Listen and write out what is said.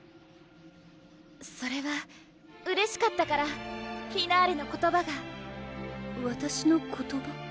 それはうれしかったからフィナーレの言葉がわたしの言葉？